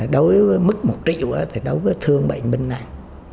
đối với mức một triệu thì đối với thương bệnh binh này